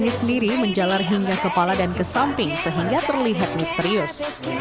ini sendiri menjalar hingga kepala dan ke samping sehingga terlihat misterius